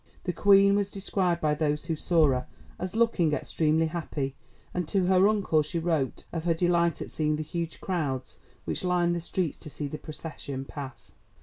The Queen was described by those who saw her as looking extremely happy, and to her uncle she wrote of her delight at seeing the huge crowds which lined the streets to see the procession pass.